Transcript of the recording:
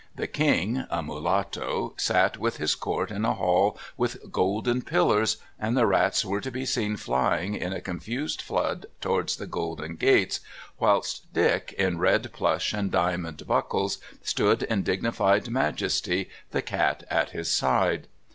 The King, a Mulatto, sat with his court in a hall with golden pillars, and the rats were to be seen flying in a confused flood towards the golden gates, whilst Dick, in red plush and diamond buckles, stood in dignified majesty, the Cat at his side.